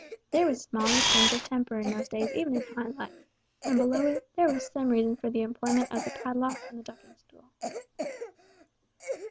There was small restraint of temper in those days even in high life, and below it, there was some reason for the employment of the padlock and the ducking stool.